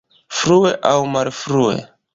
Frue aŭ malfrue!